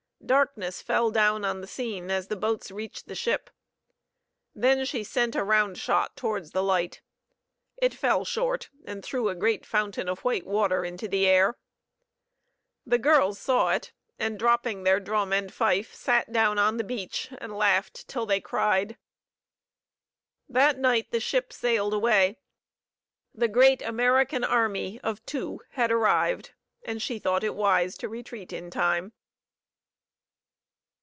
Darkness fell down on the scene as the boats reached the ship. Then she sent a round shot towards the light. It fell short and threw a great fountain of white water into the air. The girls saw it, and dropping their drum and fife, sat down on the beach and laughed till they cried. That night the ship sailed away. The great American army of two had arrived, and she thought it wise to retreat in time!